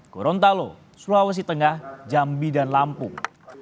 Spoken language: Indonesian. gorontalo sulawesi tengah jambi dan lampung